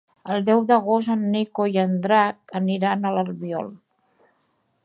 El deu d'agost en Nico i en Drac aniran a l'Albiol.